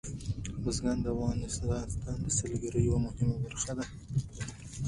بزګان د افغانستان د سیلګرۍ یوه مهمه برخه ده.